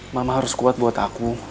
mama harus kuat buat aku